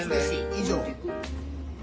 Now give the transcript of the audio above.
以上。